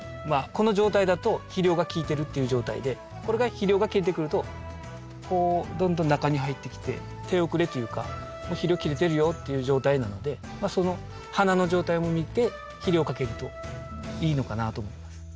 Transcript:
この状態だと肥料が効いてるっていう状態でこれが肥料が切れてくるとこうどんどん中に入ってきて手遅れというかもう肥料切れてるよっていう状態なのでその花の状態も見て肥料をかけるといいのかなと思います。